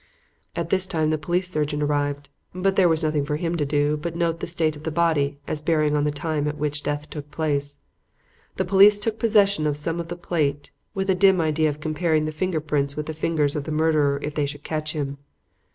"About this time the police surgeon arrived, but there was nothing for him to do but note the state of the body as bearing on the time at which death took place. The police took possession of some of the plate with a dim idea of comparing the finger prints with the fingers of the murderer if they should catch him.